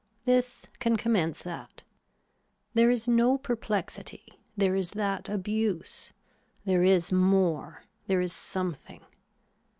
This can commence that. There is no perplexity, there is that abuse, there is more, there is something.